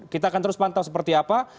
kita akan terus pantau seperti apa